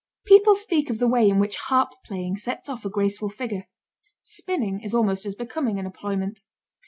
People speak of the way in which harp playing sets off a graceful figure; spinning is almost as becoming an employment.